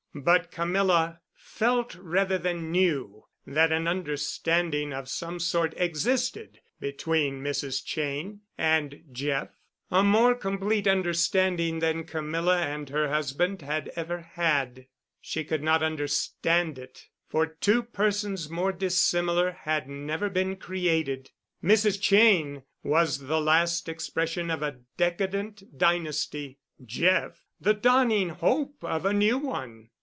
But Camilla felt rather than knew that an understanding of some sort existed between Mrs. Cheyne and Jeff—a more complete understanding than Camilla and her husband had ever had. She could not understand it, for two persons more dissimilar had never been created. Mrs. Cheyne was the last expression of a decadent dynasty—Jeff, the dawning hope of a new one.